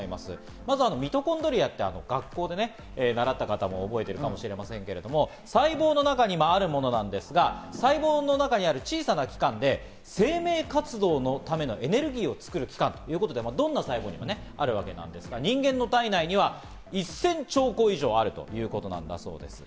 まずミトコンドリアって学校で習った方も覚えている方もいるかもしれませんけど、細胞の中にもあるものなんですが細胞の中にある小さな機関で、生命活動のためのエネルギーを作る期間、どんな細胞にもあるわけですが、人間の体内には１０００兆個以上あるということなんだそうです。